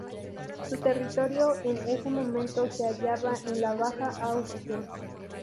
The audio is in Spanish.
Su territorio en ese momento se hallaba en la Baja Austria.